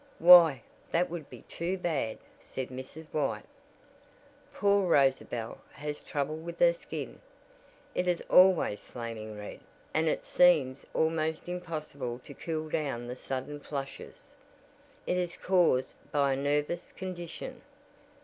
"Why, that would be too bad," said Mrs. White, "Poor Rosabel has trouble with her skin. It is always flaming red, and it seems almost impossible to cool down the sudden flashes. It is caused by a nervous condition."